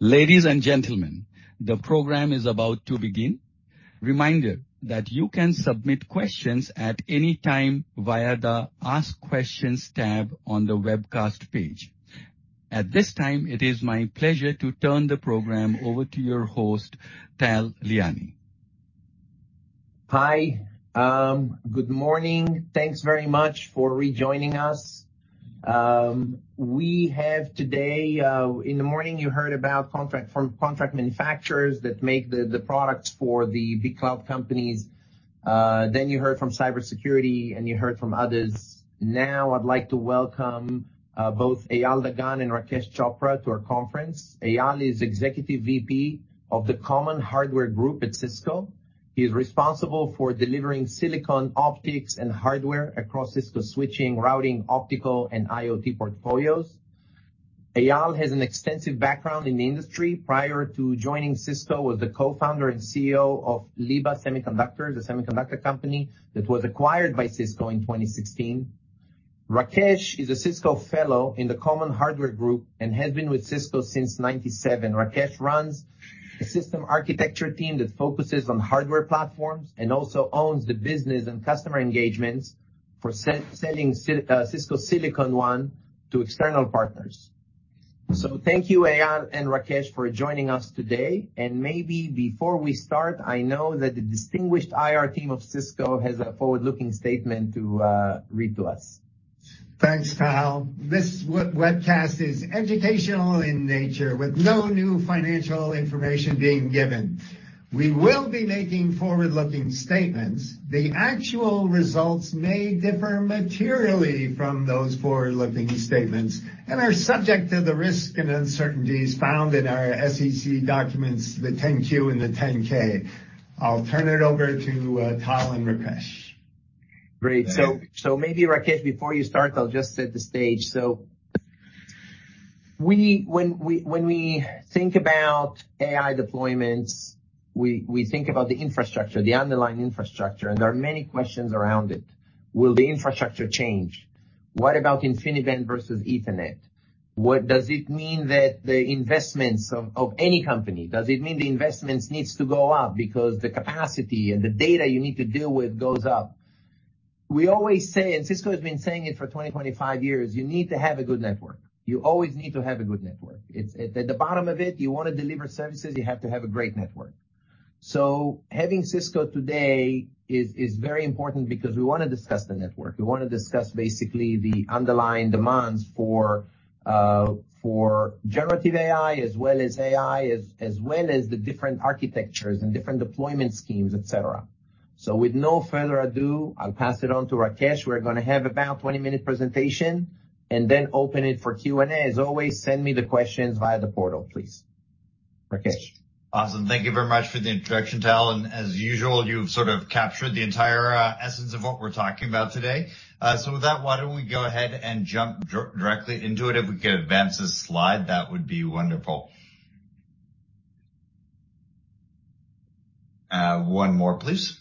Ladies and gentlemen, the program is about to begin. Reminder that you can submit questions at any time via the Ask Questions tab on the webcast page. At this time, it is my pleasure to turn the program over to your host, Tal Liani. Hi, good morning. Thanks very much for rejoining us. We have today, in the morning, you heard about contract from contract manufacturers that make the, the products for the big cloud companies. Then you heard from cybersecurity, and you heard from others. Now I'd like to welcome both Eyal Dagan and Rakesh Chopra to our conference. Eyal is Executive VP of the Common Hardware Group at Cisco. He is responsible for delivering silicon, optics, and hardware across Cisco switching, routing, optical, and IoT portfolios. Eyal has an extensive background in the industry. Prior to joining Cisco, was the co-founder and CEO of Leaba Semiconductor, the semiconductor company that was acquired by Cisco in 2016. Rakesh is a Cisco Fellow in the Common Hardware Group and has been with Cisco since 1997. Rakesh runs a system architecture team that focuses on hardware platforms and also owns the business and customer engagements for selling Cisco Silicon One to external partners. So thank you, Eyal and Rakesh, for joining us today, and maybe before we start, I know that the distinguished IR team of Cisco has a forward-looking statement to read to us. Thanks, Tal. This webcast is educational in nature, with no new financial information being given. We will be making forward-looking statements. The actual results may differ materially from those forward-looking statements and are subject to the risks and uncertainties found in our SEC documents, the 10-Q and the 10-K. I'll turn it over to Tal and Rakesh. Great. So maybe, Rakesh, before you start, I'll just set the stage. So when we think about AI deployments, we think about the infrastructure, the underlying infrastructure, and there are many questions around it. Will the infrastructure change? What about InfiniBand versus Ethernet? What does it mean that the investments of any company, does it mean the investments needs to go up because the capacity and the data you need to deal with goes up? We always say, and Cisco has been saying it for 25 years, "You need to have a good network." You always need to have a good network. It's at the bottom of it, you want to deliver services, you have to have a great network. So having Cisco today is very important because we want to discuss the network. We want to discuss basically the underlying demands for, for generative AI, as well as AI, as, as well as the different architectures and different deployment schemes, et cetera. So with no further ado, I'll pass it on to Rakesh. We're gonna have about a 20-minute presentation and then open it for Q&A. As always, send me the questions via the portal, please. Rakesh. Awesome. Thank you very much for the introduction, Tal, and as usual, you've sort of captured the entire essence of what we're talking about today. So with that, why don't we go ahead and jump directly into it? If we could advance the slide, that would be wonderful. One more, please.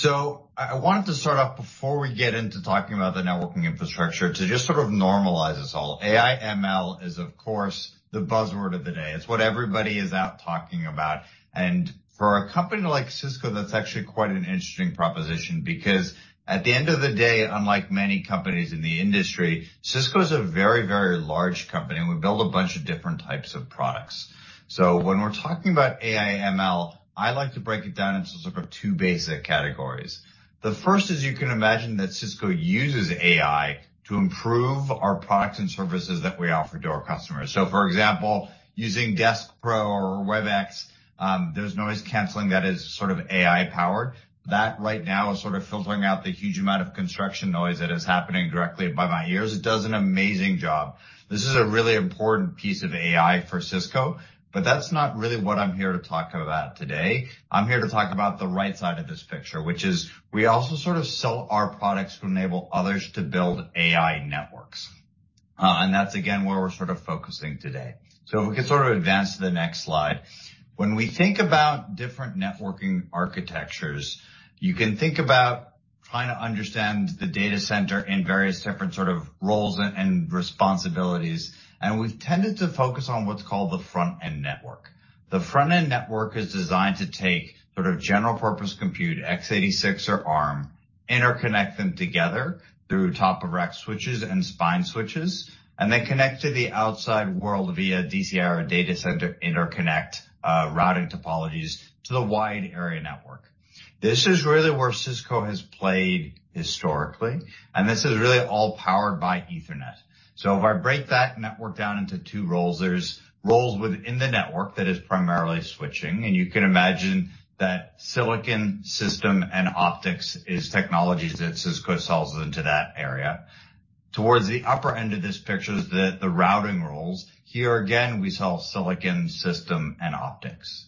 So I wanted to start off before we get into talking about the networking infrastructure, to just sort of normalize this all. AI/ML is, of course, the buzzword of the day. It's what everybody is out talking about, and for a company like Cisco, that's actually quite an interesting proposition because at the end of the day, unlike many companies in the industry, Cisco is a very, very large company, and we build a bunch of different types of products. So when we're talking about AI/ML, I like to break it down into sort of two basic categories. The first is, you can imagine, that Cisco uses AI to improve our products and services that we offer to our customers. So for example, using Desk Pro or Webex, there's noise canceling that is sort of AI-powered. That right now is sort of filtering out the huge amount of construction noise that is happening directly by my ears. It does an amazing job. This is a really important piece of AI for Cisco, but that's not really what I'm here to talk about today. I'm here to talk about the right side of this picture, which is we also sort of sell our products to enable others to build AI networks. And that's again, where we're sort of focusing today. So if we could sort of advance to the next slide. When we think about different networking architectures, you can think about trying to understand the data center in various different sort of roles and responsibilities, and we've tended to focus on what's called the front-end network. The front-end network is designed to take sort of general purpose compute, x86 or ARM, interconnect them together through top of rack switches and spine switches, and then connect to the outside world via DCI or data center interconnect routing topologies to the wide area network. This is really where Cisco has played historically, and this is really all powered by Ethernet. So if I break that network down into two roles, there's roles within the network that is primarily switching, and you can imagine that silicon, system, and optics is technologies that Cisco sells into that area. Towards the upper end of this picture is the routing roles. Here, again, we sell silicon, system, and optics.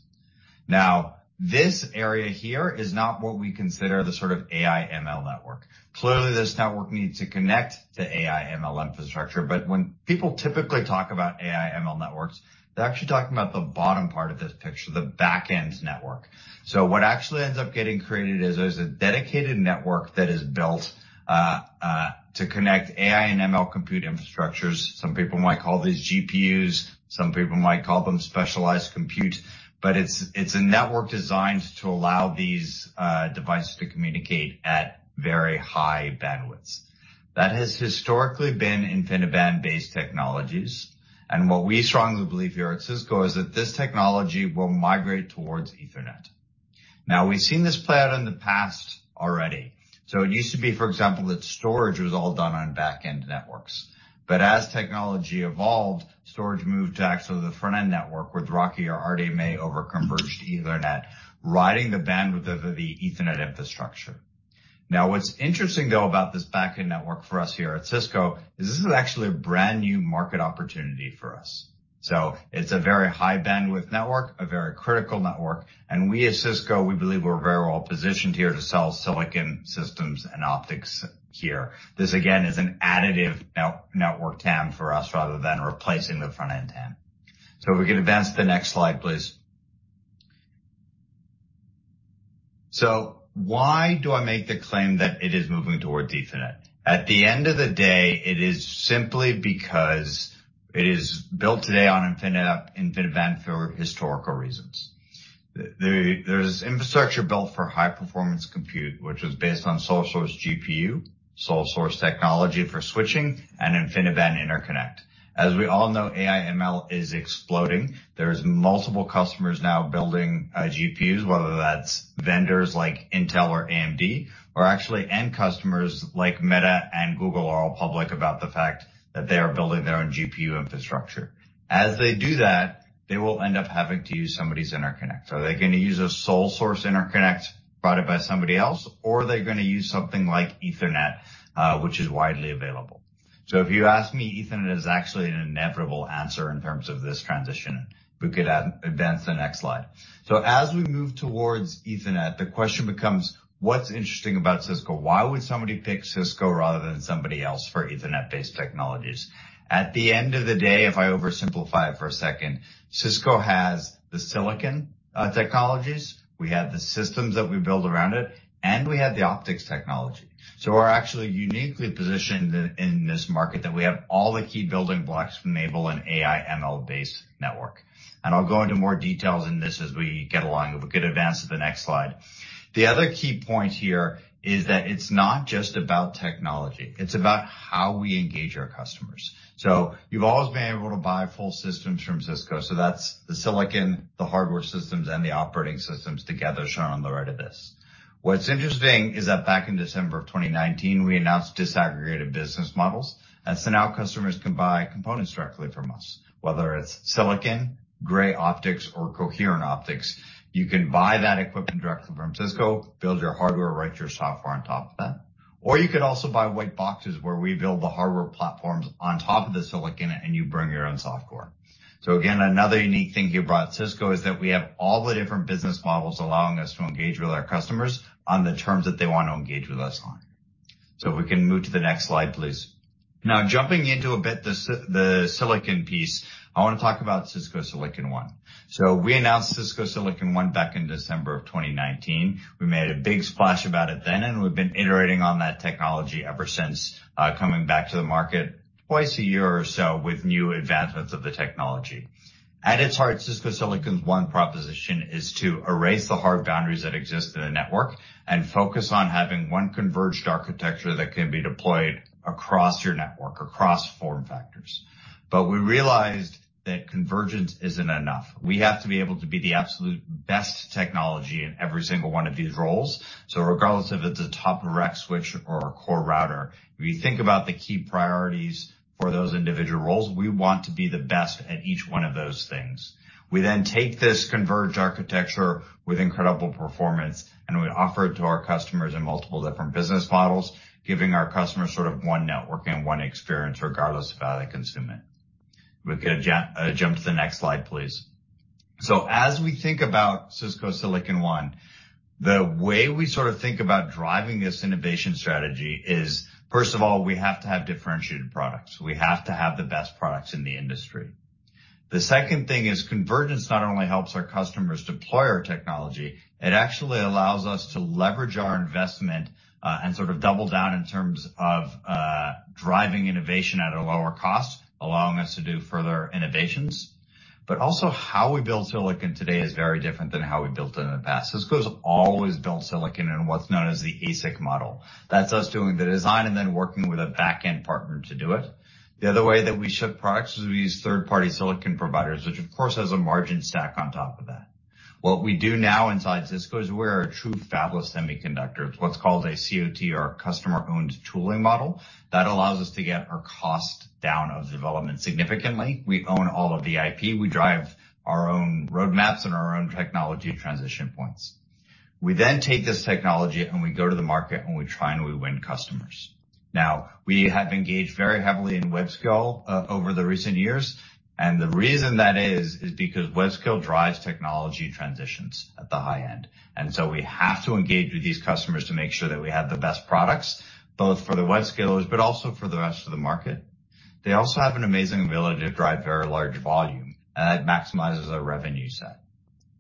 Now, this area here is not what we consider the sort of AI/ML network. Clearly, this network needs to connect to AI/ML infrastructure, but when people typically talk about AI/ML networks, they're actually talking about the bottom part of this picture, the back-end network. So what actually ends up getting created is a dedicated network that is built to connect AI and ML compute infrastructures. Some people might call these GPUs, some people might call them specialized compute, but it's a network designed to allow these devices to communicate at very high bandwidths. That has historically been InfiniBand-based technologies, and what we strongly believe here at Cisco is that this technology will migrate towards Ethernet. Now, we've seen this play out in the past already. So it used to be, for example, that storage was all done on back-end networks, but as technology evolved, storage moved to actually the front-end network with RoCE or RDMA over Converged Ethernet, riding the bandwidth over the Ethernet infrastructure. Now, what's interesting, though, about this back-end network for us here at Cisco, is this is actually a brand-new market opportunity for us. So it's a very high bandwidth network, a very critical network, and we at Cisco, we believe we're very well positioned here to sell silicon systems and optics here. This, again, is an additive network TAM for us, rather than replacing the front-end TAM. So if we could advance to the next slide, please. So why do I make the claim that it is moving towards Ethernet? At the end of the day, it is simply because it is built today on InfiniBand for historical reasons. There, there's infrastructure built for high performance compute, which is based on sole source GPU, sole source technology for switching and InfiniBand interconnect. As we all know, AI/ML is exploding. There's multiple customers now building GPUs, whether that's vendors like Intel or AMD, or actually, end customers like Meta and Google are all public about the fact that they are building their own GPU infrastructure. As they do that, they will end up having to use somebody's interconnect. Are they gonna use a sole source interconnect brought in by somebody else, or are they gonna use something like Ethernet, which is widely available? So if you ask me, Ethernet is actually an inevitable answer in terms of this transition. We could advance to the next slide. So as we move towards Ethernet, the question becomes: What's interesting about Cisco? Why would somebody pick Cisco rather than somebody else for Ethernet-based technologies? At the end of the day, if I oversimplify it for a second, Cisco has the silicon technologies, we have the systems that we build around it, and we have the optics technology. So we're actually uniquely positioned in this market, that we have all the key building blocks to enable an AI/ML-based network. And I'll go into more details in this as we get along. If we could advance to the next slide. The other key point here is that it's not just about technology, it's about how we engage our customers. So you've always been able to buy full systems from Cisco, so that's the silicon, the hardware systems, and the operating systems together, shown on the right of this. What's interesting is that back in December of 2019, we announced disaggregated business models, and so now customers can buy components directly from us, whether it's silicon, gray optics, or coherent optics. You can buy that equipment directly from Cisco, build your hardware, write your software on top of that, or you could also buy white boxes, where we build the hardware platforms on top of the silicon, and you bring your own software. So again, another unique thing here about Cisco is that we have all the different business models allowing us to engage with our customers on the terms that they want to engage with us on. So if we can move to the next slide, please. Now, jumping into a bit the silicon piece, I want to talk about Cisco Silicon One. So we announced Cisco Silicon One back in December of 2019. We made a big splash about it then, and we've been iterating on that technology ever since, coming back to the market twice a year or so with new advancements of the technology. At its heart, Cisco Silicon One proposition is to erase the hard boundaries that exist in a network and focus on having one converged architecture that can be deployed across your network, across form factors. But we realized that convergence isn't enough. We have to be able to be the absolute best technology in every single one of these roles. So regardless if it's a top-of-rack switch or a core router, we think about the key priorities for those individual roles, we want to be the best at each one of those things. We then take this converged architecture with incredible performance, and we offer it to our customers in multiple different business models, giving our customers sort of one network and one experience, regardless of how they consume it. We could jump to the next slide, please. So as we think about Cisco Silicon One, the way we sort of think about driving this innovation strategy is, first of all, we have to have differentiated products. We have to have the best products in the industry. The second thing is convergence not only helps our customers deploy our technology, it actually allows us to leverage our investment, and sort of double down in terms of driving innovation at a lower cost, allowing us to do further innovations. But also, how we build silicon today is very different than how we built it in the past. Cisco's always built silicon in what's known as the ASIC model. That's us doing the design and then working with a back-end partner to do it. The other way that we ship products is we use third-party silicon providers, which, of course, has a margin stack on top of that. What we do now inside Cisco is we're a true fabless semiconductor. It's what's called a COT or a customer-owned tooling model. That allows us to get our cost down of development significantly. We own all of the IP, we drive our own roadmaps and our own technology transition points.... We then take this technology, and we go to the market, and we try, and we win customers. Now, we have engaged very heavily in web scale over the recent years, and the reason that is, is because web scale drives technology transitions at the high end. And so we have to engage with these customers to make sure that we have the best products, both for the web scalers, but also for the rest of the market. They also have an amazing ability to drive very large volume, and that maximizes our revenue set.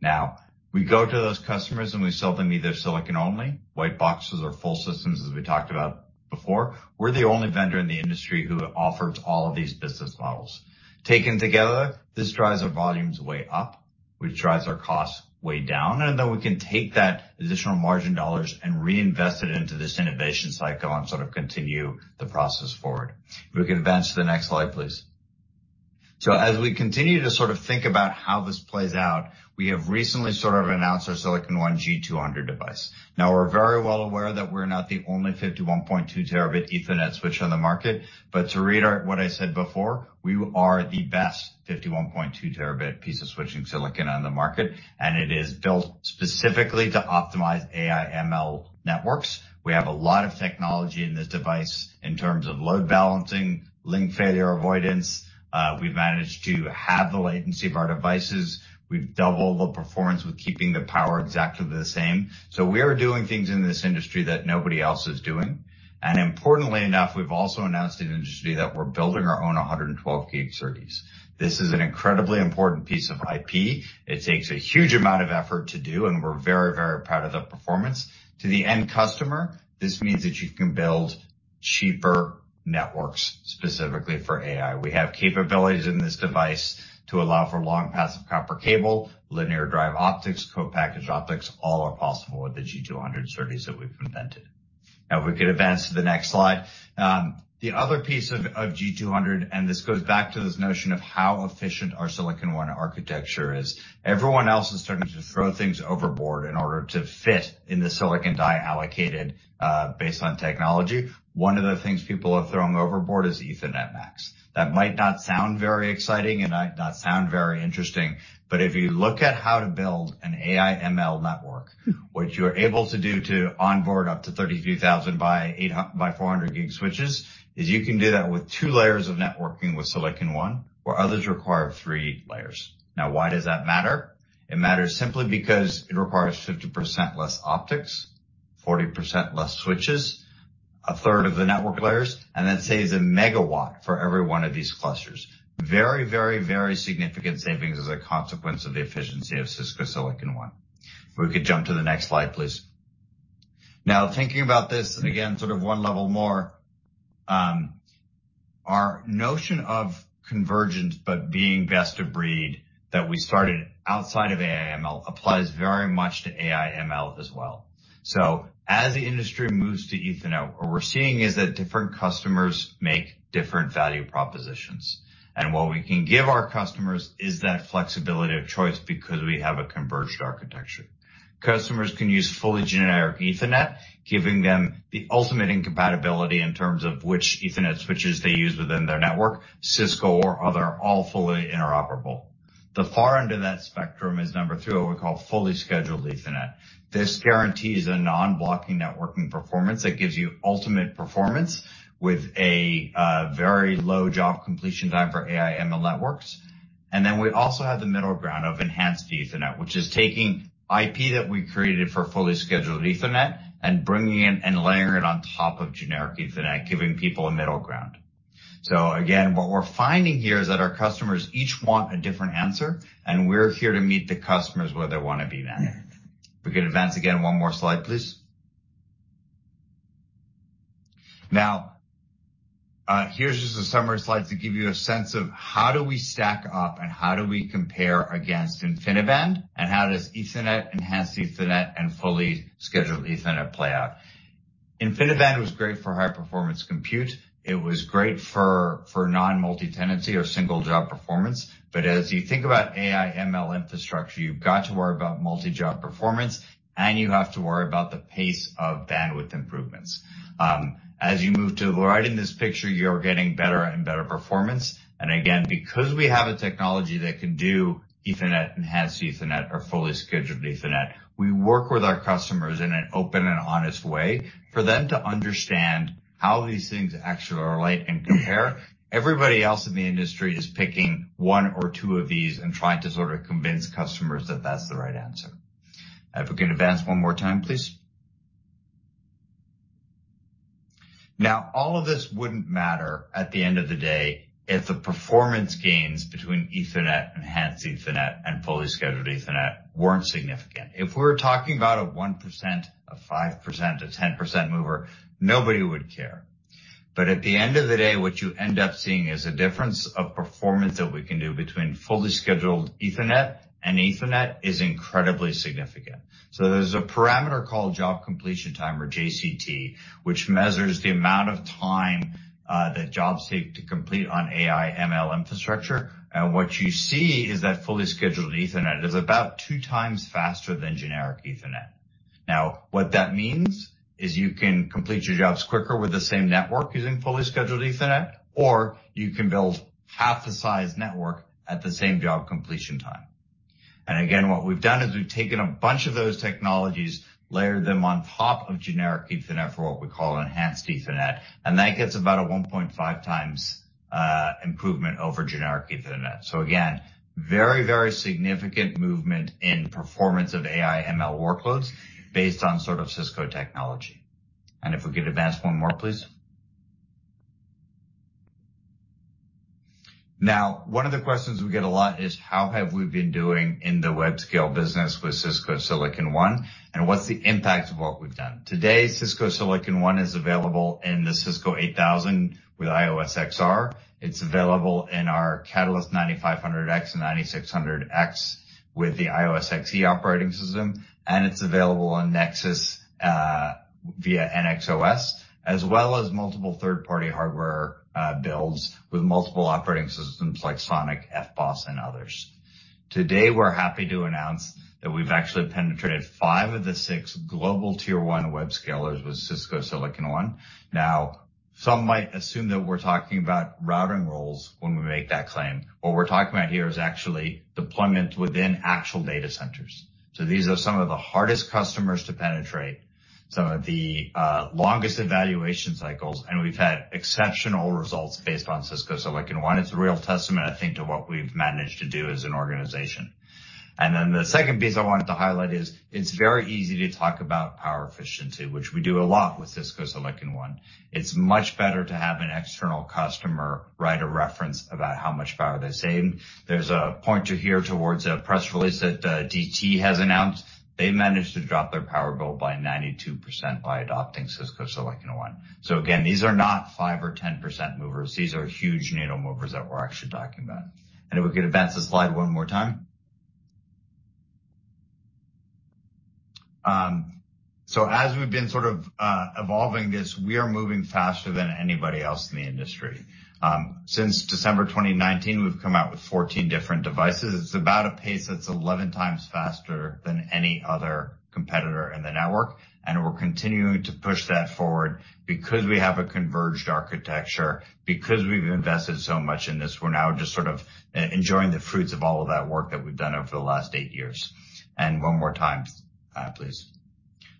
Now, we go to those customers, and we sell them either silicon only, white boxes or full systems, as we talked about before. We're the only vendor in the industry who offers all of these business models. Taken together, this drives our volumes way up, which drives our costs way down, and then we can take that additional margin dollars and reinvest it into this innovation cycle and sort of continue the process forward. If we could advance to the next slide, please. So as we continue to sort of think about how this plays out, we have recently sort of announced our Silicon One G200 device. Now, we're very well aware that we're not the only 51.2 terabit Ethernet switch on the market, but to reiterate what I said before, we are the best 51.2 terabit piece of switching silicon on the market, and it is built specifically to optimize AI/ML networks. We have a lot of technology in this device in terms of load balancing, link failure avoidance, we've managed to halve the latency of our devices. We've doubled the performance with keeping the power exactly the same. So we are doing things in this industry that nobody else is doing, and importantly enough, we've also announced to the industry that we're building our own 112G services. This is an incredibly important piece of IP. It takes a huge amount of effort to do, and we're very, very proud of the performance. To the end customer, this means that you can build cheaper networks, specifically for AI. We have capabilities in this device to allow for long passive copper cable, linear drive optics, co-packaged optics, all are possible with the G200 SerDes that we've invented. Now, if we could advance to the next slide. The other piece of G200, and this goes back to this notion of how efficient our Silicon One architecture is. Everyone else is starting to throw things overboard in order to fit in the silicon die allocated, based on technology. One of the things people are throwing overboard is Ethernet MAC. That might not sound very exciting, and might not sound very interesting, but if you look at how to build an AI ML network, what you're able to do to onboard up to 33,000 by 400 gig switches, is you can do that with two layers of networking with Silicon One, where others require three layers. Now, why does that matter? It matters simply because it requires 50% less optics, 40% less switches, a third of the network layers, and that saves a megawatt for every one of these clusters. Very, very, very significant savings as a consequence of the efficiency of Cisco Silicon One. If we could jump to the next slide, please. Now, thinking about this, and again, sort of one level more, our notion of convergence, but being best of breed that we started outside of AI ML, applies very much to AI ML as well. So as the industry moves to Ethernet, what we're seeing is that different customers make different value propositions. And what we can give our customers is that flexibility of choice because we have a converged architecture. Customers can use fully generic Ethernet, giving them the ultimate in compatibility in terms of which Ethernet switches they use within their network, Cisco or other, are all fully interoperable. The far end of that spectrum is number two, what we call Fully Scheduled Ethernet. This guarantees a non-blocking networking performance that gives you ultimate performance with a very low job completion time for AI ML networks. And then we also have the middle ground of Enhanced Ethernet, which is taking IP that we created for Fully Scheduled Ethernet and bringing it and layering it on top of generic Ethernet, giving people a middle ground. So again, what we're finding here is that our customers each want a different answer, and we're here to meet the customers where they want to be then. If we could advance again, one more slide, please. Now, here's just a summary slide to give you a sense of how do we stack up and how do we compare against InfiniBand, and how does Ethernet, Enhanced Ethernet, and Fully Scheduled Ethernet play out? InfiniBand was great for high-performance compute. It was great for, for non-multi-tenancy or single job performance. But as you think about AI ML infrastructure, you've got to worry about multi-job performance, and you have to worry about the pace of bandwidth improvements. As you move to the right in this picture, you're getting better and better performance. And again, because we have a technology that can do Ethernet, Enhanced Ethernet, or Fully Scheduled Ethernet, we work with our customers in an open and honest way for them to understand how these things actually relate and compare. Everybody else in the industry is picking one or two of these and trying to sort of convince customers that that's the right answer. If we could advance one more time, please. Now, all of this wouldn't matter at the end of the day, if the performance gains between Ethernet, Enhanced Ethernet, and Fully Scheduled Ethernet weren't significant. If we were talking about a 1%, a 5%, a 10% mover, nobody would care. But at the end of the day, what you end up seeing is a difference of performance that we can do between Fully Scheduled Ethernet and Ethernet is incredibly significant. So there's a parameter called Job Completion Time, or JCT, which measures the amount of time that jobs take to complete on AI/ML infrastructure. And what you see is that Fully Scheduled Ethernet is about 2 times faster than generic Ethernet. Now, what that means is you can complete your jobs quicker with the same network using Fully Scheduled Ethernet, or you can build half the size network at the same job completion time. And again, what we've done is we've taken a bunch of those technologies, layered them on top of generic Ethernet for what we call Enhanced Ethernet, and that gets about a 1.5 times improvement over generic Ethernet. So again, very, very significant movement in performance of AI ML workloads based on sort of Cisco technology. And if we could advance one more, please. Now, one of the questions we get a lot is: How have we been doing in the web scale business with Cisco Silicon One, and what's the impact of what we've done? Today, Cisco Silicon One is available in the Cisco 8000 with IOS XR. It's available in our Catalyst 9500X and 9600X with the IOS XE operating system, and it's available on Nexus via NX-OS, as well as multiple third-party hardware builds with multiple operating systems like SONiC, FBOSS, and others. Today, we're happy to announce that we've actually penetrated five of the six global tier one web scalers with Cisco Silicon One. Now, some might assume that we're talking about routing roles when we make that claim. What we're talking about here is actually deployment within actual data centers. So these are some of the hardest customers to penetrate, some of the longest evaluation cycles, and we've had exceptional results based on Cisco Silicon One. It's a real testament, I think, to what we've managed to do as an organization. And then the second piece I wanted to highlight is, it's very easy to talk about power efficiency, which we do a lot with Cisco Silicon One. It's much better to have an external customer write a reference about how much power they're saving. There's a pointer here towards a press release that DT has announced. They managed to drop their power bill by 92% by adopting Cisco Silicon One. So again, these are not 5% or 10% movers. These are huge needle movers that we're actually talking about. And if we could advance the slide one more time. So as we've been sort of evolving this, we are moving faster than anybody else in the industry. Since December 2019, we've come out with 14 different devices. It's about a pace that's 11 times faster than any other competitor in the network, and we're continuing to push that forward because we have a converged architecture, because we've invested so much in this. We're now just sort of enjoying the fruits of all of that work that we've done over the last eight years. And one more time, please.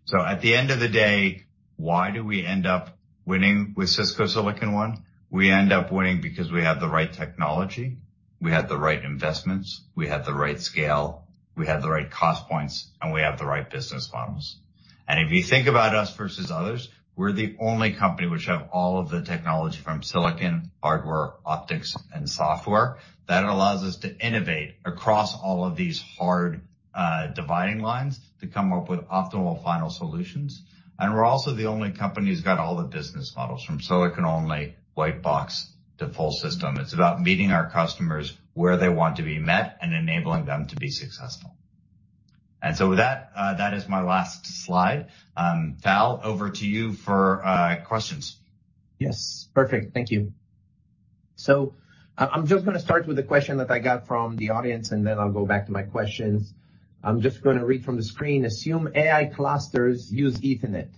So at the end of the day, why do we end up winning with Cisco Silicon One? We end up winning because we have the right technology, we have the right investments, we have the right scale, we have the right cost points, and we have the right business models. And if you think about us versus others, we're the only company which have all of the technology from silicon, hardware, optics, and software. That allows us to innovate across all of these hard, dividing lines to come up with optimal final solutions. And we're also the only company who's got all the business models from silicon-only, white box to full system. It's about meeting our customers where they want to be met and enabling them to be successful. And so with that, that is my last slide. Tal, over to you for questions. Yes. Perfect. Thank you. So I'm just gonna start with a question that I got from the audience, and then I'll go back to my questions. I'm just gonna read from the screen. "Assume AI clusters use Ethernet.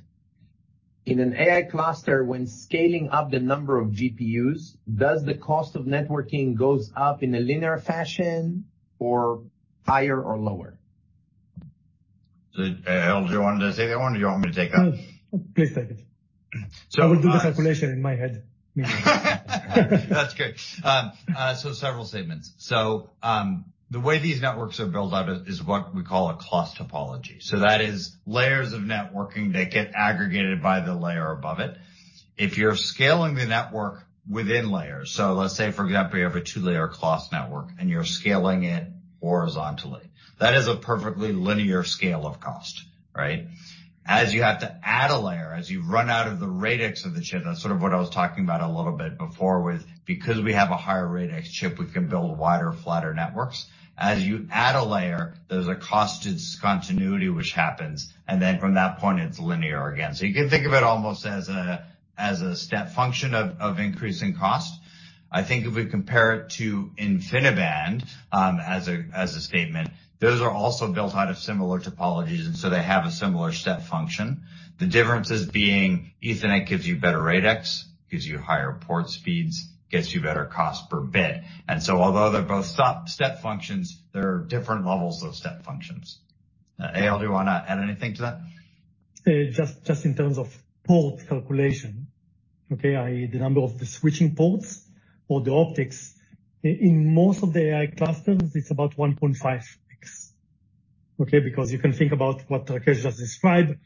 In an AI cluster, when scaling up the number of GPUs, does the cost of networking goes up in a linear fashion or higher or lower? So, Eyal, do you want to take that one, or do you want me to take that one? Please take it. So- I will do the calculation in my head. That's good. So several statements. So, the way these networks are built out is what we call a Clos topology. So that is layers of networking that get aggregated by the layer above it. If you're scaling the network within layers, so let's say, for example, you have a 2-layer Clos network, and you're scaling it horizontally. That is a perfectly linear scale of cost, right? As you have to add a layer, as you run out of the radix of the chip... That's sort of what I was talking about a little bit before with, because we have a higher radix chip, we can build wider, flatter networks. As you add a layer, there's a cost discontinuity which happens, and then from that point, it's linear again. So you can think of it almost as a step function of increasing cost. I think if we compare it to InfiniBand, as a statement, those are also built out of similar topologies, and so they have a similar step function. The differences being Ethernet gives you better radix, gives you higher port speeds, gets you better cost per bit. And so although they're both step functions, they're different levels of step functions. Eyal, do you wanna add anything to that? Just, just in terms of port calculation, okay, i.e., the number of the switching ports or the optics, in most of the AI clusters, it's about 1.5x, okay? Because you can think about what Rakesh just described,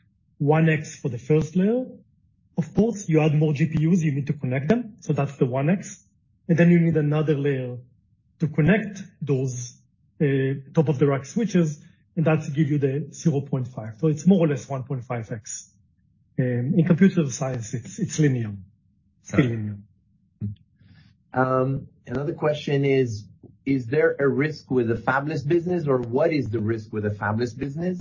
1x for the first layer. Of course, you add more GPUs, you need to connect them, so that's the 1x. And then you need another layer to connect those, top-of-rack switches, and that give you the 0.5. So it's more or less 1.5x. In computer science, it's linear. It's linear. Another question is: Is there a risk with the fabless business, or what is the risk with a fabless business?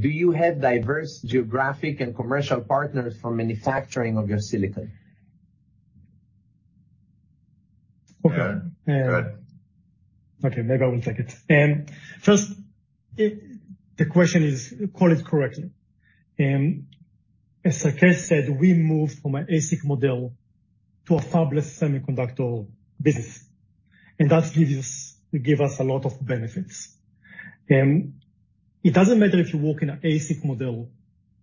Do you have diverse geographic and commercial partners for manufacturing of your silicon? Okay. Go ahead. Okay, maybe I will take it. The question is, call it correctly. As Rakesh said, we moved from an ASIC model to a fabless semiconductor business, and that gives us, give us a lot of benefits. It doesn't matter if you work in an ASIC model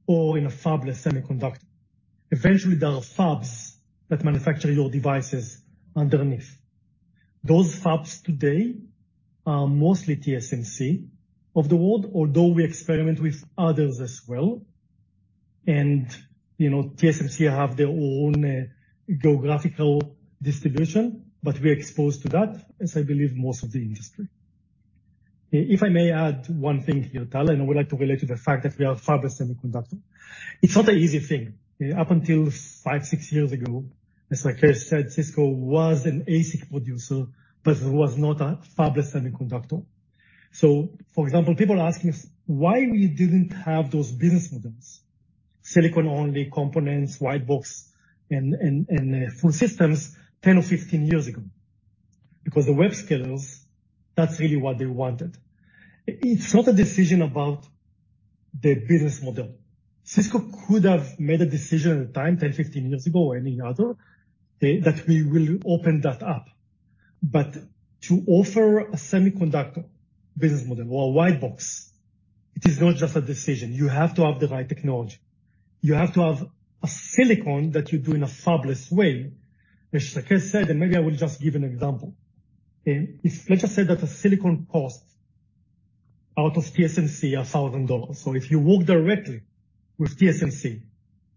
or in a fabless semiconductor. Eventually, there are fabs that manufacture your devices underneath. Those fabs today are mostly TSMC of the world, although we experiment with others as well. You know, TSMC have their own geographical distribution, but we're exposed to that, as I believe most of the industry. If I may add one thing here, Tal, and I would like to relate to the fact that we are a fabless semiconductor. It's not an easy thing. Up until 5, 6 years ago, as Rakesh said, Cisco was an ASIC producer, but it was not a fabless semiconductor. So, for example, people are asking us why we didn't have those business models, silicon-only components, white box, and, and, and, full systems 10 or 15 years ago. Because the web scalers, that's really what they wanted. It's not a decision about the business model. Cisco could have made a decision at the time, 10, 15 years ago, or any other, they, that we will open that up. But to offer a semiconductor business model or a white box, it is not just a decision. You have to have the right technology. You have to have a silicon that you do in a fabless way, as Rakesh said, and maybe I will just give an example. If let's just say that a silicon cost out of TSMC is $1,000. So if you work directly with TSMC,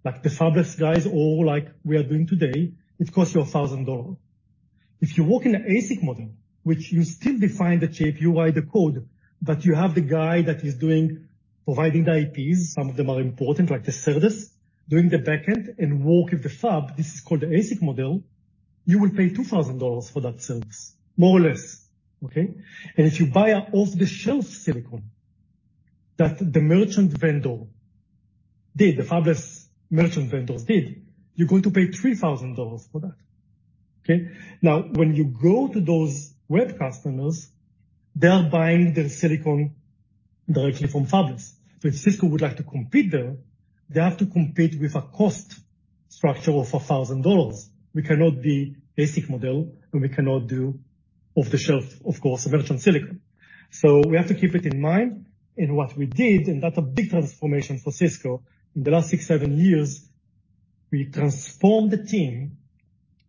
like the fabless guys or like we are doing today, it costs you $1,000. If you work in an ASIC model, which you still define the IP, the code, but you have the guy that is doing, providing the IPs. Some of them are important, like the SerDes, doing the back end and work with the fab, this is called the ASIC model, you will pay $2,000 for that SerDes, more or less. Okay? And if you buy a off-the-shelf silicon that the merchant vendor did, the fabless merchant vendors did, you're going to pay $3,000 for that. Okay? Now, when you go to those web customers, they are buying their silicon directly from fabless. If Cisco would like to compete there, they have to compete with a cost structure of $1,000. We cannot be ASIC model, and we cannot do off-the-shelf, of course, merchant silicon. So we have to keep it in mind, and what we did, and that's a big transformation for Cisco, in the last 6-7 years, we transformed the team,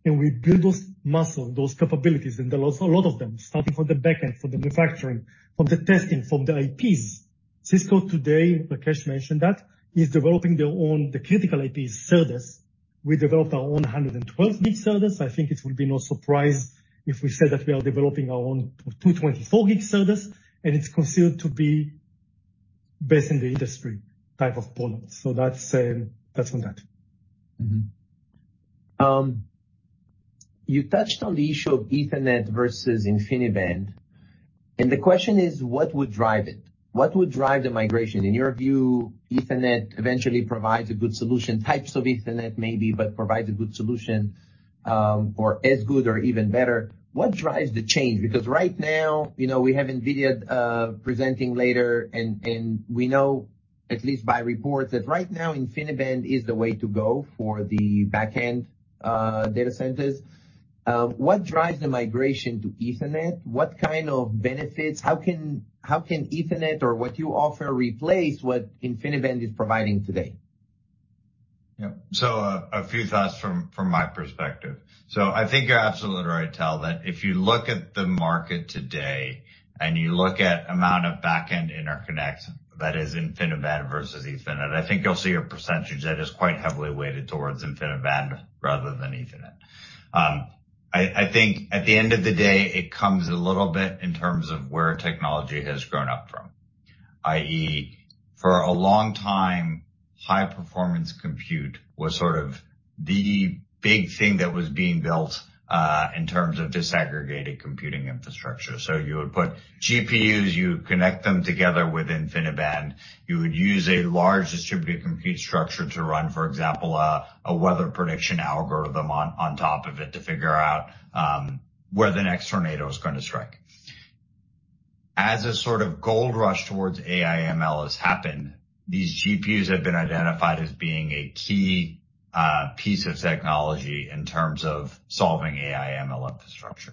and we build those muscle, those capabilities, and there are a lot of them, starting from the back end, from the manufacturing, from the testing, from the IPs. Cisco today, Rakesh mentioned that, is developing their own, the critical IP SerDes. We developed our own 112 gig SerDes. I think it will be no surprise if we say that we are developing our own 224 gig SerDes, and it's considered to be best in the industry type of product. So that's, that's on that. Mm-hmm. You touched on the issue of Ethernet versus InfiniBand, and the question is: What would drive it? What would drive the migration? In your view, Ethernet eventually provides a good solution, types of Ethernet maybe, but provides a good solution, or as good or even better. What drives the change? Because right now, you know, we have NVIDIA presenting later, and we know, at least by reports, that right now InfiniBand is the way to go for the back-end data centers. What drives the migration to Ethernet? What kind of benefits? How can Ethernet or what you offer replace what InfiniBand is providing today? Yeah. A few thoughts from my perspective. So I think you're absolutely right, Tal, that if you look at the market today and you look at the amount of back-end interconnect that is InfiniBand versus Ethernet, I think you'll see a percentage that is quite heavily weighted towards InfiniBand rather than Ethernet. I think at the end of the day, it comes a little bit in terms of where technology has grown up from, i.e., for a long time, high-performance compute was sort of the big thing that was being built in terms of disaggregated computing infrastructure. So you would put GPUs, you would connect them together with InfiniBand. You would use a large distributed compute structure to run, for example, a weather prediction algorithm on top of it to figure out where the next tornado is going to strike. As a sort of gold rush towards AI ML has happened, these GPUs have been identified as being a key piece of technology in terms of solving AI ML infrastructure.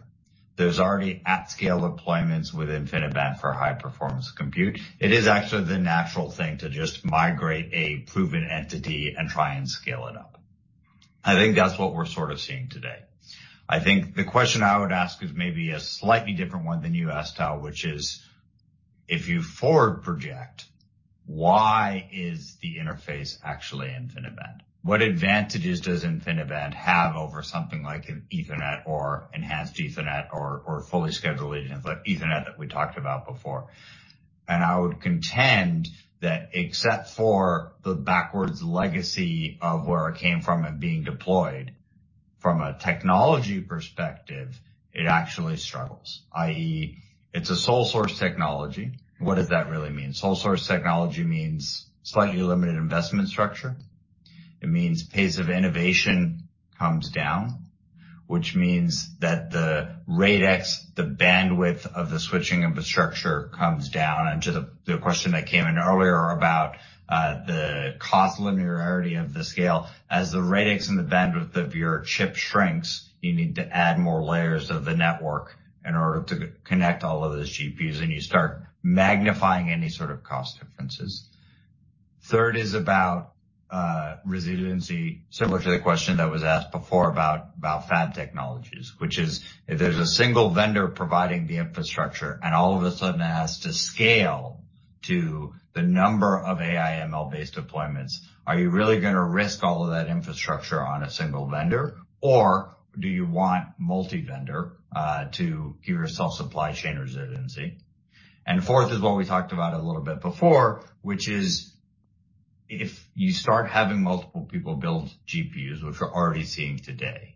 There's already at-scale deployments with InfiniBand for high-performance compute. It is actually the natural thing to just migrate a proven entity and try and scale it up. I think that's what we're sort of seeing today. I think the question I would ask is maybe a slightly different one than you asked, Tal, which is: If you forward project, why is the interface actually InfiniBand? What advantages does InfiniBand have over something like an Ethernet or Enhanced Ethernet or Fully Scheduled Ethernet that we talked about before? And I would contend that except for the backwards legacy of where it came from and being deployed, from a technology perspective, it actually struggles, i.e., it's a sole source technology. What does that really mean? Sole source technology means slightly limited investment structure. It means pace of innovation comes down, which means that the radix, the bandwidth of the switching infrastructure comes down. And to the question that came in earlier about the cost linearity of the scale, as the radix and the bandwidth of your chip shrinks, you need to add more layers of the network in order to connect all of those GPUs, and you start magnifying any sort of cost differences. Third is about resiliency, similar to the question that was asked before about fab technologies, which is if there's a single vendor providing the infrastructure, and all of a sudden it has to scale to the number of AI/ML-based deployments, are you really gonna risk all of that infrastructure on a single vendor? Or do you want multi-vendor to give yourself supply chain resiliency? And fourth is what we talked about a little bit before, which is if you start having multiple people build GPUs, which we're already seeing today,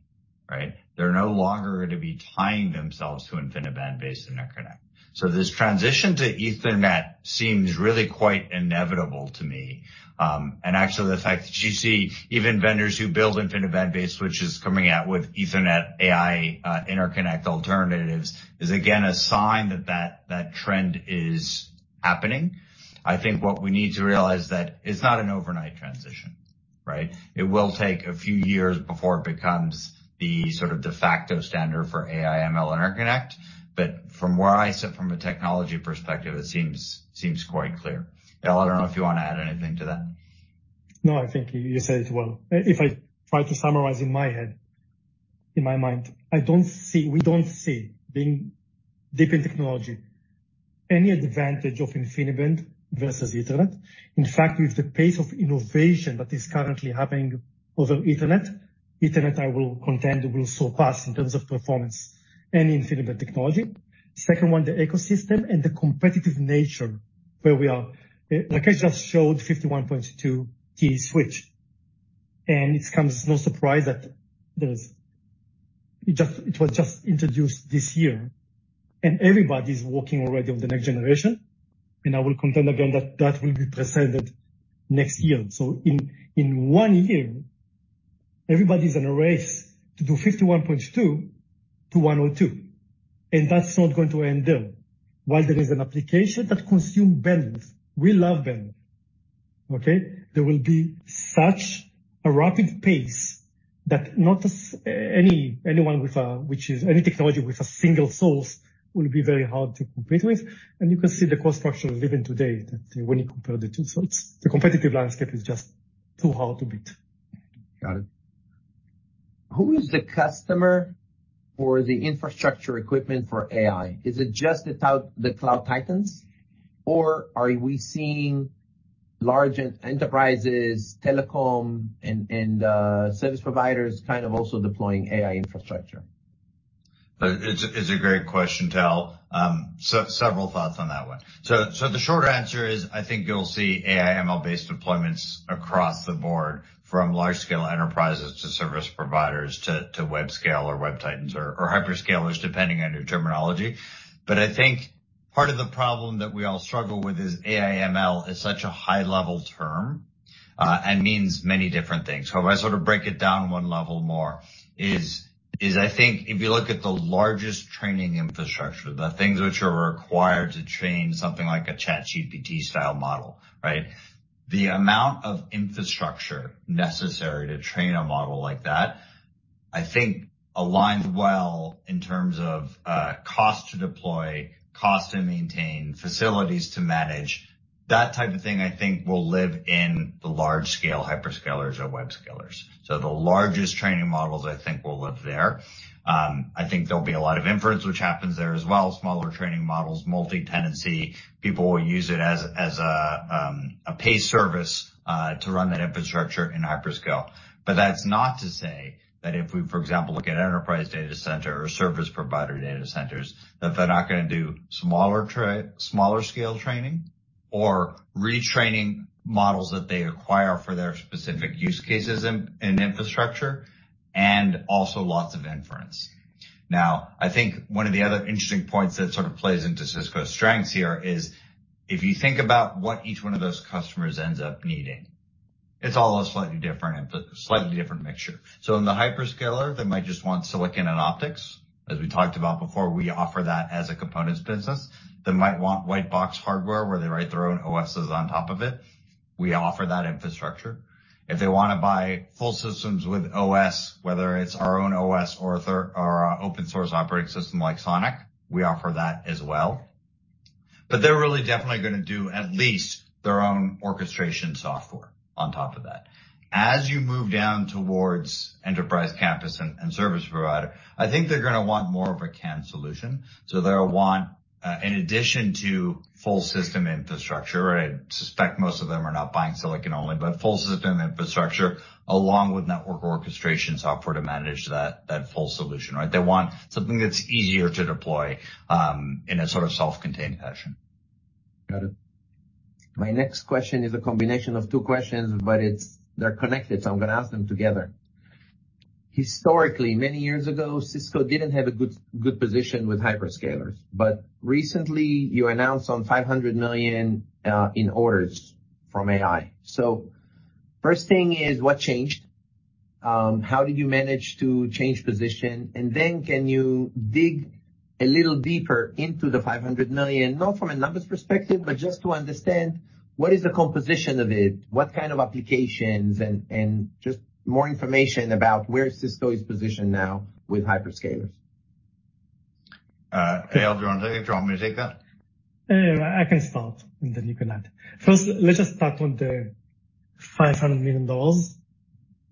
right? They're no longer going to be tying themselves to InfiniBand-based Interconnect. So this transition to Ethernet seems really quite inevitable to me. And actually, the fact that you see even vendors who build InfiniBand-based switches coming out with Ethernet AI interconnect alternatives is again a sign that that trend is happening. I think what we need to realize that it's not an overnight transition, right? It will take a few years before it becomes the sort of de facto standard for AI ML interconnect, but from where I sit, from a technology perspective, it seems quite clear. Eyal, I don't know if you want to add anything to that. No, I think you said it well. If I try to summarize in my head, in my mind, I don't see... We don't see, being deep in technology, any advantage of InfiniBand versus Ethernet. In fact, with the pace of innovation that is currently happening over Ethernet, Ethernet, I will contend, will surpass in terms of performance, any InfiniBand technology. Second one, the ecosystem and the competitive nature where we are. Like I just showed 51.2T switch, and it comes as no surprise that there's, it just, it was just introduced this year, and everybody's working already on the next generation. And I will contend again that that will be presented next year. So in, in one year, everybody's in a race to do 51.2 to 102, and that's not going to end there. While there is an application that consume bandwidth, we love bandwidth, okay? There will be such a rapid pace that not anyone, which is any technology with a single source, will be very hard to compete with. You can see the cost structure even today that when you compare the two. The competitive landscape is just too hard to beat. Got it. Who is the customer for the infrastructure equipment for AI? Is it just the cloud, the cloud titans, or are we seeing large enterprises, telecom, and service providers kind of also deploying AI infrastructure? It's a great question, Tal. Several thoughts on that one. So the short answer is, I think you'll see AI ML-based deployments across the board, from large-scale enterprises to service providers, to web scale or web titans or hyperscalers, depending on your terminology. But I think part of the problem that we all struggle with is AI ML is such a high-level term and means many different things. So if I sort of break it down one level more, I think if you look at the largest training infrastructure, the things which are required to train something like a ChatGPT style model, right? The amount of infrastructure necessary to train a model like that, I think aligns well in terms of cost to deploy, cost to maintain, facilities to manage. That type of thing, I think, will live in the large scale hyperscalers or web scalers. So the largest training models, I think, will live there. I think there'll be a lot of inference, which happens there as well. Smaller training models, multi-tenancy. People will use it as a paid service to run that infrastructure in hyperscale. But that's not to say that if we, for example, look at enterprise data center or service provider data centers, that they're not gonna do smaller scale training or retraining models that they acquire for their specific use cases in infrastructure, and also lots of inference. Now, I think one of the other interesting points that sort of plays into Cisco's strengths here is, if you think about what each one of those customers ends up needing, it's all a slightly different infras... Slightly different mixture. So in the hyperscaler, they might just want silicon and optics. As we talked about before, we offer that as a components business. They might want white box hardware, where they write their own OSes on top of it. We offer that infrastructure. If they wanna buy full systems with OS, whether it's our own OS or our open source operating system like SONiC, we offer that as well. But they're really definitely gonna do at least their own orchestration software on top of that. As you move down towards enterprise, campus, and service provider, I think they're gonna want more of a canned solution. So they'll want, in addition to full system infrastructure, I suspect most of them are not buying silicon only, but full system infrastructure along with network orchestration software to manage that full solution, right? They want something that's easier to deploy, in a sort of self-contained fashion. Got it. My next question is a combination of two questions, but it's... They're connected, so I'm gonna ask them together.... Historically, many years ago, Cisco didn't have a good, good position with hyperscalers, but recently you announced $500 million in orders from AI. So first thing is, what changed? How did you manage to change position? And then can you dig a little deeper into the $500 million, not from a numbers perspective, but just to understand what is the composition of it, what kind of applications, and just more information about where Cisco is positioned now with hyperscalers. Tal, do you want me to take that? I can start, and then you can add. First, let's just start on the $500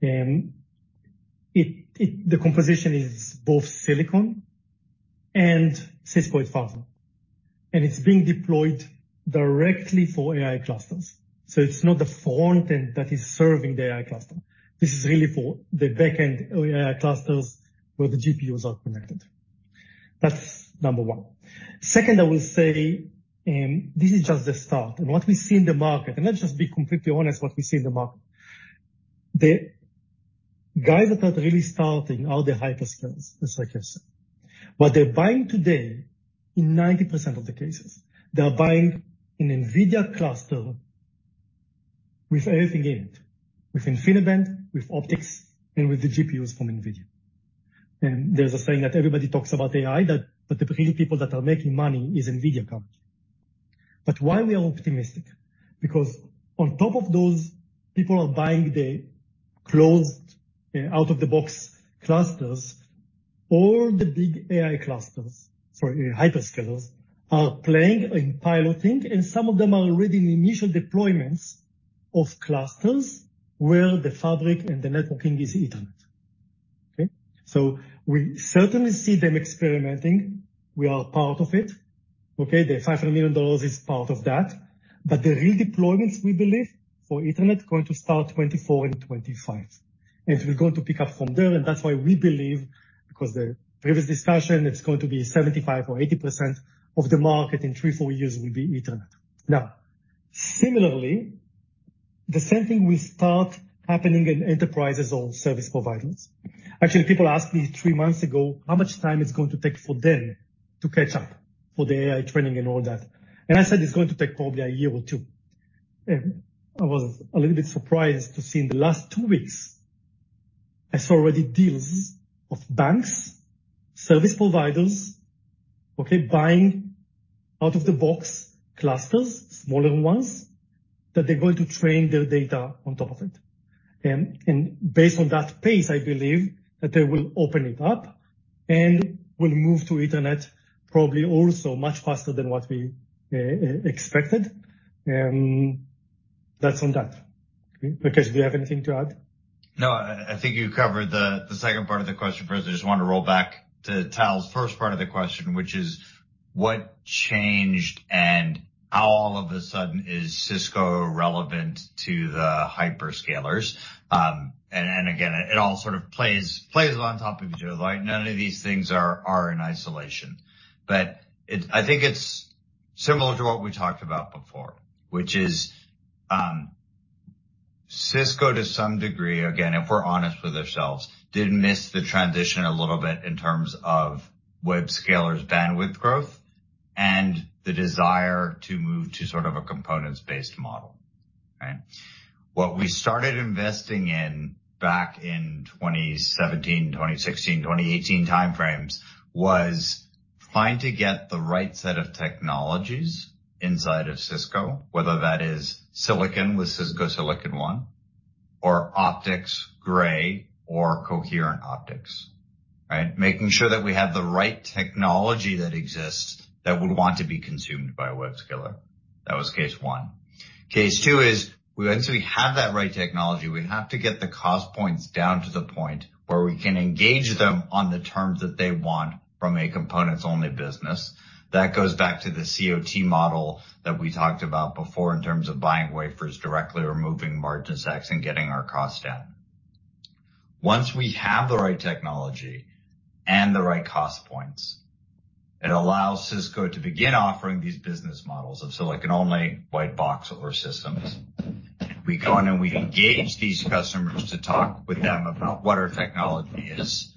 million. The composition is both silicon and Cisco fabric, and it's being deployed directly for AI clusters. So it's not the front-end that is serving the AI cluster. This is really for the back-end AI clusters where the GPUs are connected. That's number one. Second, I will say, this is just the start, and what we see in the market, and let's just be completely honest, what we see in the market. The guys that are really starting are the hyperscalers, just like I said. What they're buying today, in 90% of the cases, they're buying an NVIDIA cluster with everything in it, with InfiniBand, with optics, and with the GPUs from NVIDIA. And there's a saying that everybody talks about AI, that but the really people that are making money is NVIDIA company. But why we are optimistic? Because on top of those people are buying the closed, out-of-the-box clusters, all the big AI clusters, sorry, hyperscalers, are playing and piloting, and some of them are already in initial deployments of clusters where the fabric and the networking is Ethernet. Okay? So we certainly see them experimenting. We are part of it, okay? The $500 million is part of that, but the real deployments, we believe, for Ethernet, going to start 2024 and 2025, and it will going to pick up from there, and that's why we believe, because the previous discussion, it's going to be 75% or 80% of the market in three, four years will be Ethernet. Now, similarly, the same thing will start happening in enterprises or service providers. Actually, people asked me three months ago, how much time it's going to take for them to catch up for the AI training and all that. And I said, "It's going to take probably a year or two." I was a little bit surprised to see in the last two weeks, I saw already deals of banks, service providers, okay, buying out-of-the-box clusters, smaller ones, that they're going to train their data on top of it. And based on that pace, I believe that they will open it up and will move to Ethernet probably also much faster than what we expected. That's on that. Rakesh, do you have anything to add? No, I think you covered the second part of the question. First, I just want to roll back to Tal's first part of the question, which is: What changed, and how all of a sudden is Cisco relevant to the hyperscalers? And again, it all sort of plays on top of each other, right? None of these things are in isolation. But, I think it's similar to what we talked about before, which is, Cisco, to some degree, again, if we're honest with ourselves, did miss the transition a little bit in terms of web scalers bandwidth growth and the desire to move to sort of a components-based model. Right? What we started investing in back in 2017, 2016, 2018 timeframes, was trying to get the right set of technologies inside of Cisco, whether that is silicon with Cisco Silicon One or optics, gray or coherent optics, right? Making sure that we had the right technology that exists, that would want to be consumed by a hyperscaler. That was case one. Case two is, once we have that right technology, we have to get the cost points down to the point where we can engage them on the terms that they want from a components-only business. That goes back to the COT model that we talked about before in terms of buying wafers directly or moving margin stacks and getting our costs down. Once we have the right technology and the right cost points, it allows Cisco to begin offering these business models of silicon-only white box over systems. We go in, and we engage these customers to talk with them about what our technology is.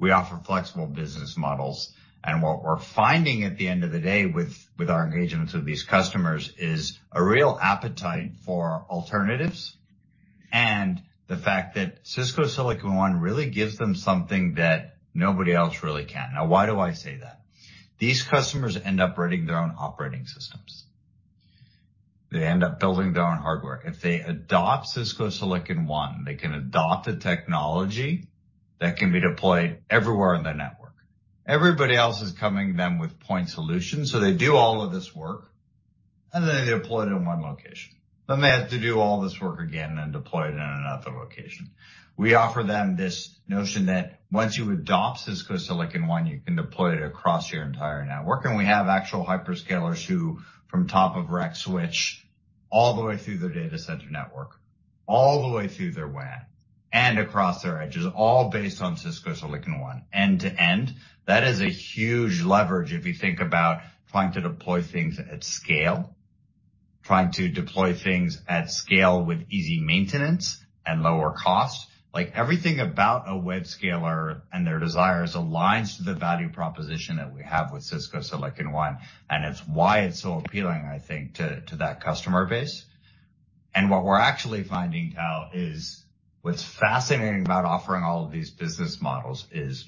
We offer flexible business models, and what we're finding at the end of the day with our engagements with these customers is a real appetite for alternatives, and the fact that Cisco Silicon One really gives them something that nobody else really can. Now, why do I say that? These customers end up writing their own operating systems. They end up building their own hardware. If they adopt Cisco Silicon One, they can adopt a technology that can be deployed everywhere in their network. Everybody else is coming to them with point solutions, so they do all of this work, and then they deploy it in one location. Then they have to do all this work again and deploy it in another location. We offer them this notion that once you adopt Cisco Silicon One, you can deploy it across your entire network, and we have actual hyperscalers who, from top of rack switch, all the way through their data center network, all the way through their WAN, and across their edges, all based on Cisco Silicon One, end to end. That is a huge leverage if you think about trying to deploy things at scale, trying to deploy things at scale with easy maintenance and lower cost. Like, everything about a web scaler and their desires aligns to the value proposition that we have with Cisco Silicon One, and it's why it's so appealing, I think, to that customer base. What we're actually finding out is, what's fascinating about offering all of these business models is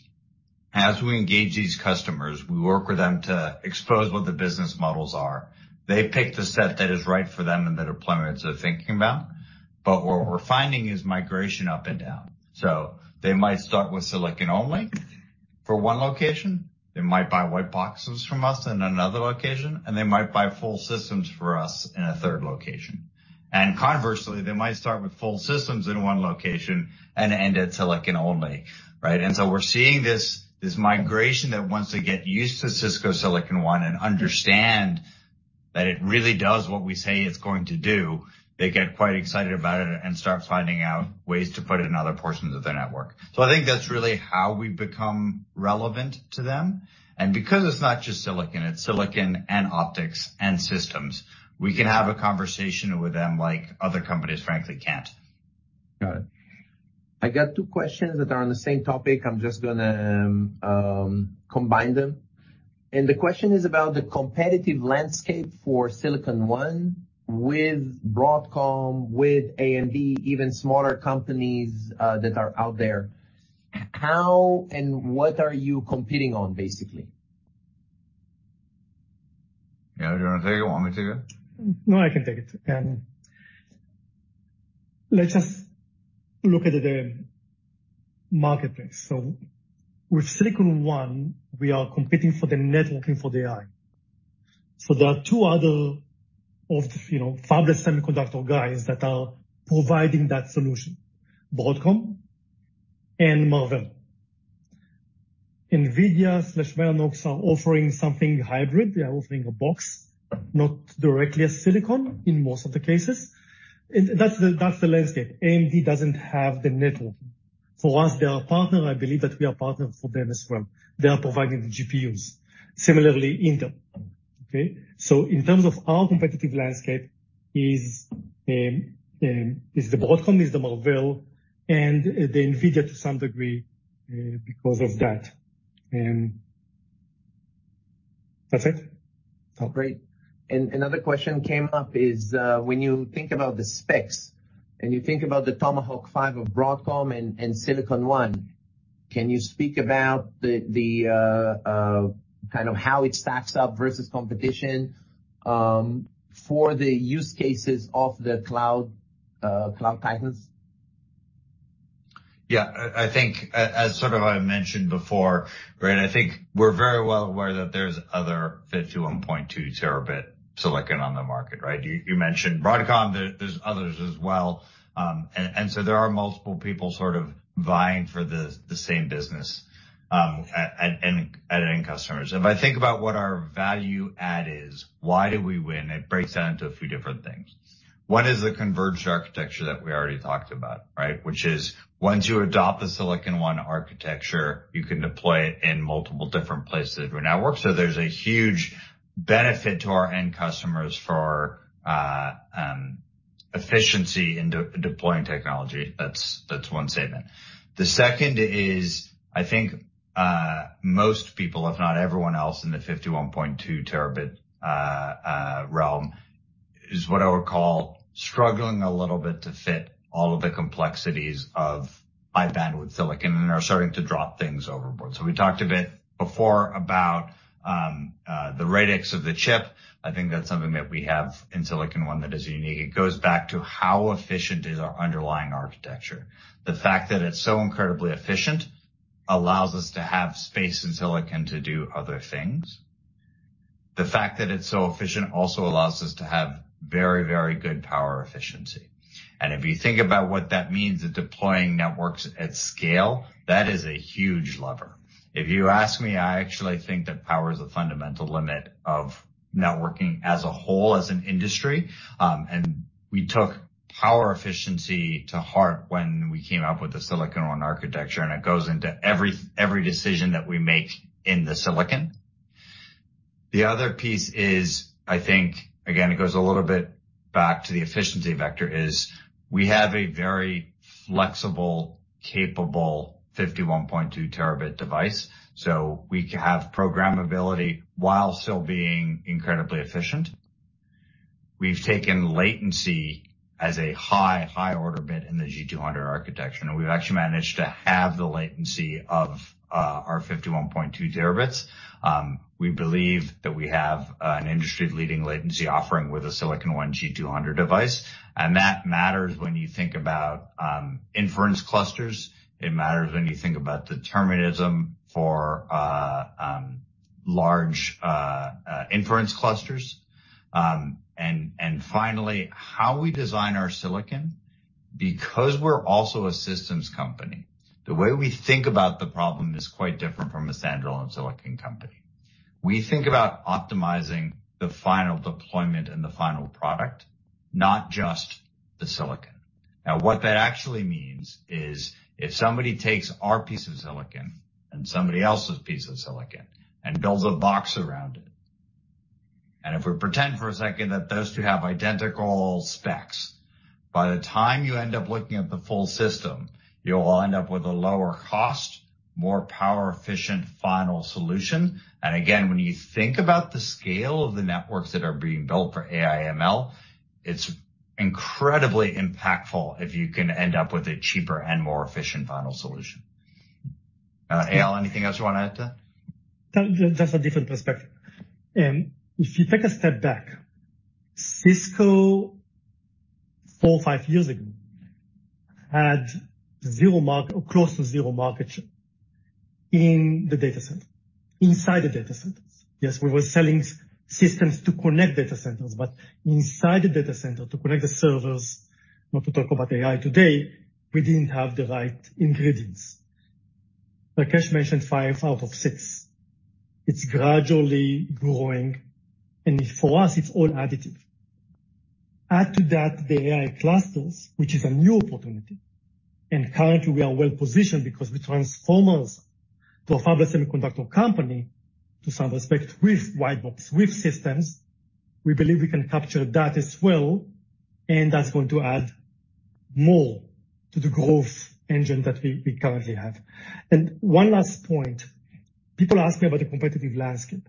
as we engage these customers, we work with them to expose what the business models are. They pick the set that is right for them and the deployments they're thinking about, but what we're finding is migration up and down. So they might start with silicon only for one location, they might buy white boxes from us in another location, and they might buy full systems for us in a third location. And conversely, they might start with full systems in one location and end at silicon only, right? And so we're seeing this migration that once they get used to Cisco Silicon One and understand that it really does what we say it's going to do, they get quite excited about it and start finding out ways to put it in other portions of their network. So I think that's really how we've become relevant to them. And because it's not just silicon, it's silicon and optics and systems, we can have a conversation with them like other companies, frankly, can't. Got it. I got two questions that are on the same topic. I'm just gonna combine them. And the question is about the competitive landscape for Silicon One with Broadcom, with AMD, even smaller companies that are out there. How and what are you competing on, basically? Yeah, do you wanna take it or want me to take it? No, I can take it. And let's just look at the marketplace. So with Silicon One, we are competing for the networking for the AI. So there are two other of the, you know, fabless semiconductor guys that are providing that solution, Broadcom and Marvell. NVIDIA/Mellanox are offering something hybrid. They are offering a box, not directly a silicon, in most of the cases. And that's the, that's the landscape. AMD doesn't have the networking. For us, they are a partner. I believe that we are partners for them as well. They are providing the GPUs. Similarly, Intel, okay? So in terms of our competitive landscape is the Broadcom, is the Marvell, and the NVIDIA to some degree, because of that. And that's it. Oh, great. Another question came up is, when you think about the specs and you think about the Tomahawk 5 of Broadcom and Silicon One, can you speak about the kind of how it stacks up versus competition, for the use cases of the cloud, cloud titans? Yeah, I think as sort of I mentioned before, right, I think we're very well aware that there's other 51.2 terabit silicon on the market, right? You mentioned Broadcom, there, there's others as well. And so there are multiple people sort of vying for the same business at end customers. If I think about what our value add is, why do we win? It breaks down into a few different things. One is the converged architecture that we already talked about, right? Which is once you adopt the Silicon One architecture, you can deploy it in multiple different places or networks. So there's a huge benefit to our end customers for efficiency in deploying technology. That's one statement. The second is, I think, most people, if not everyone else, in the 51.2 terabit realm, is what I would call struggling a little bit to fit all of the complexities of high bandwidth silicon and are starting to drop things overboard. So we talked a bit before about the radix of the chip. I think that's something that we have in Silicon One that is unique. It goes back to how efficient is our underlying architecture. The fact that it's so incredibly efficient allows us to have space in silicon to do other things. The fact that it's so efficient also allows us to have very, very good power efficiency. And if you think about what that means to deploying networks at scale, that is a huge lever. If you ask me, I actually think that power is a fundamental limit of networking as a whole, as an industry. We took power efficiency to heart when we came up with the Silicon One architecture, and it goes into every, every decision that we make in the silicon. The other piece is, I think, again, it goes a little bit back to the efficiency vector, is we have a very flexible, capable 51.2-terabit device, so we have programmability while still being incredibly efficient. We've taken latency as a high, high order bit in the G200 architecture, and we've actually managed to halve the latency of our 51.2 terabits. We believe that we have an industry-leading latency offering with a Silicon One G200 device, and that matters when you think about inference clusters. It matters when you think about determinism for large inference clusters. Finally, how we design our silicon, because we're also a systems company, the way we think about the problem is quite different from a standalone silicon company. We think about optimizing the final deployment and the final product... not just the silicon. Now, what that actually means is, if somebody takes our piece of silicon and somebody else's piece of silicon and builds a box around it, and if we pretend for a second that those two have identical specs, by the time you end up looking at the full system, you'll end up with a lower cost, more power-efficient, final solution. Again, when you think about the scale of the networks that are being built for AI/ML, it's incredibly impactful if you can end up with a cheaper and more efficient final solution. Eyal, anything else you want to add to that? Just a different perspective. If you take a step back, Cisco, four or five years ago, had zero market—close to zero market share in the data center, inside the data centers. Yes, we were selling systems to connect data centers, but inside the data center, to connect the servers, not to talk about AI today, we didn't have the right ingredients. Rakesh mentioned five out of six. It's gradually growing, and for us, it's all additive. Add to that the AI clusters, which is a new opportunity, and currently, we are well positioned because we transformed us to a fabless semiconductor company, to some respect, with white box, with systems. We believe we can capture that as well, and that's going to add more to the growth engine that we, we currently have. And one last point. People ask me about the competitive landscape.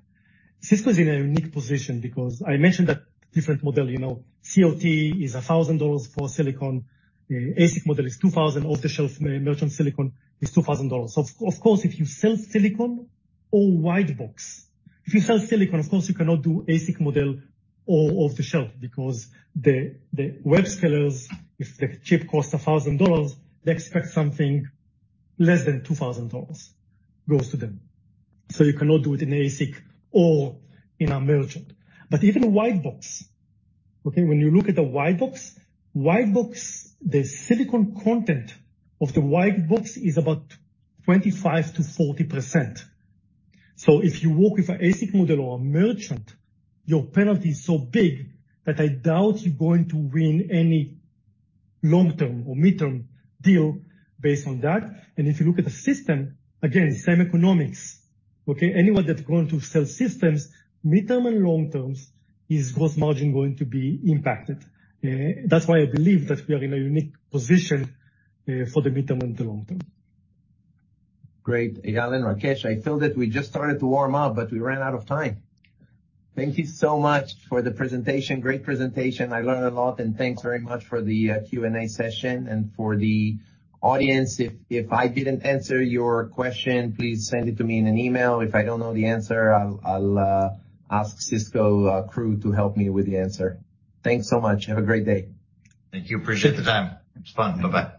Cisco is in a unique position because I mentioned that different model, you know, COT is $1,000 for silicon. ASIC model is $2,000. Off-the-shelf merchant silicon is $2,000. Of course, if you sell silicon or white box, if you sell silicon, of course, you cannot do ASIC model or off the shelf because the web scalers, if the chip costs $1,000, they expect something less than $2,000 goes to them. So you cannot do it in ASIC or in a merchant. But even a white box, okay, when you look at a white box, the silicon content of the white box is about 25%-40%. So if you work with an ASIC model or a merchant, your penalty is so big that I doubt you're going to win any long-term or mid-term deal based on that. If you look at the system, again, same economics, okay? Anyone that's going to sell systems, mid-term and long terms, his gross margin is going to be impacted. That's why I believe that we are in a unique position, for the mid-term and the long term. Great. Eyal and Rakesh, I feel that we just started to warm up, but we ran out of time. Thank you so much for the presentation. Great presentation. I learned a lot, and thanks very much for the Q&A session. For the audience, if I didn't answer your question, please send it to me in an email. If I don't know the answer, I'll ask Cisco crew to help me with the answer. Thanks so much. Have a great day. Thank you. Appreciate the time. It was fun. Bye-bye. Bye.